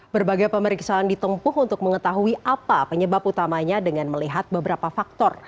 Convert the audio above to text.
berbagai pemeriksaan ditempuh untuk mengetahui apa penyebab utamanya dengan melihat beberapa faktor